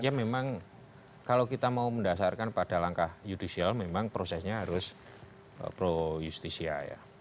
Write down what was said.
ya memang kalau kita mau mendasarkan pada langkah judicial memang prosesnya harus pro justisia ya